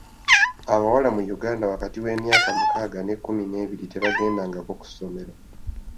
Abawala mu Uganda wakati w'emyaka mukaaga n'ekkumi n'ebiri tebagendangako ku ssomero.